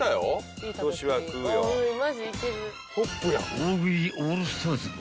［大食いオールスターズも］